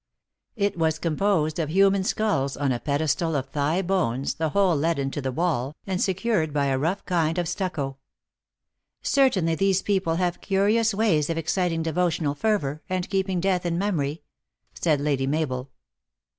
It was composed of human skulls, on a pedestal of thigh bones, the whole let into the wall, and secured by a rough kind of stucco. " Certainly these people have curious ways of ex citing devotional fervor, and keeping death in mem ory," said Lady Mabel.